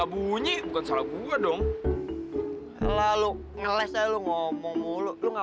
ah sudah coba kamu atasi segera